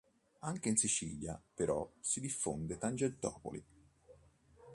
Anche in Sicilia, però, si diffonde Tangentopoli.